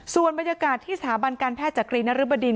ส่วนบรรยากาศที่สถาบันการแพทย์จักรีนริบดิน